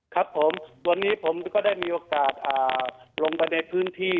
ครับผมวันนี้ผมก็ได้มีโอกาสลงไปในพื้นที่